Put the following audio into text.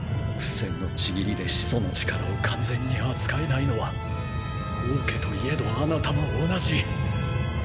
「不戦の契り」で始祖の力を完全に扱えないのは王家といえどあなたも同じ。